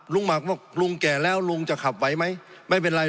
ลุงหมักบอกลุงแก่แล้วลุงจะขับไว้ไหม